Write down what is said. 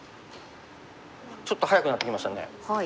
ちょっと早くなってきましたね。